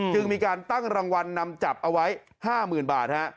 จึงมีการตั้งรางวัลนำจับเอาไว้ห้าหมื่นบาทฮะ